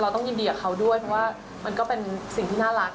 ต้องยินดีกับเขาด้วยเพราะว่ามันก็เป็นสิ่งที่น่ารัก